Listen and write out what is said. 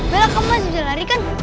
belakangnya jangan ikut